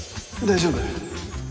大丈夫？